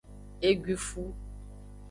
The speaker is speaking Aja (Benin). Eguifu.